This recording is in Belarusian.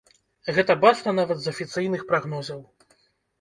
Гэта бачна нават з афіцыйных прагнозаў.